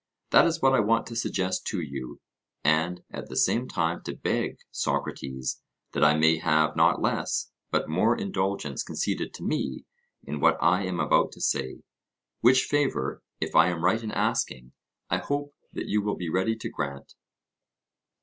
This is what I want to suggest to you, and at the same time to beg, Socrates, that I may have not less, but more indulgence conceded to me in what I am about to say. Which favour, if I am right in asking, I hope that you will be ready to grant.